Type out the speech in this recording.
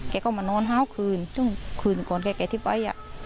เขาก็มานอนเฮ้าคืนซึ่งคืนก่อนแกที่ไป